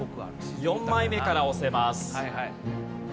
４枚目から押せます。